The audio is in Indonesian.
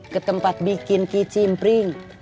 ketempat bikin kicimpring